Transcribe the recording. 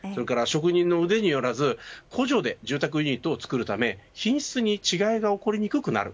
それか職員の腕によらず工場で住宅ユニットを作るため品質に違いが起こりにくくなる